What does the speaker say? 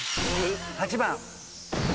８番。